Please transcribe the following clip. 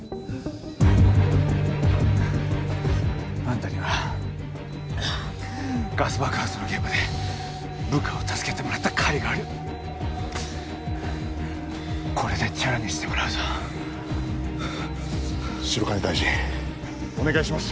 あんたにはガス爆発の現場で部下を助けてもらった借りがあるこれでチャラにしてもらうぞ白金大臣お願いします